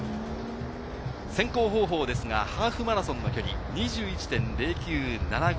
選考方法ですが、ハーフマラソンの距離２１．０９７５。